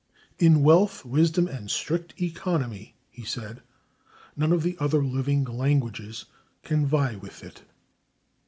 "In wealth, wisdom and strict economy," he said, "none of the other living languages can vie with it."